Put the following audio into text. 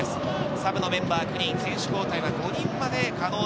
サブのメンバー９人、選手交代は５人まで可能。